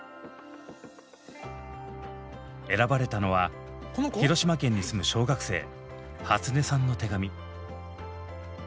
選ばれたのは広島県に住む小学生はつねさんの手紙。